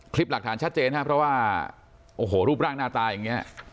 คลิปหลักฐานชัดเจนครับเพราะว่าโอ้โหรูปร่างหน้าตาอย่างนี้